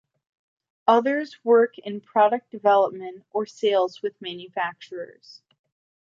Others work in product development or sales with manufacturers.